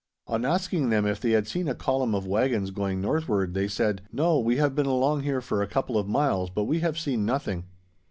On asking them if they had seen a column of wagons going northward they said, "No, we have been along here for a couple of miles, but we have seen nothing."